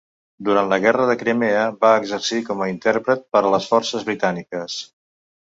Durant la Guerra de Crimea, va exercir com a intèrpret per a les forces britàniques.